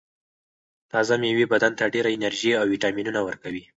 تازه مېوې بدن ته ډېره انرژي او ویټامینونه ورکوي.